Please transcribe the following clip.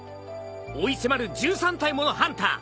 追い迫る１３体ものハンター。